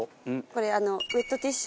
これウェットティッシュ。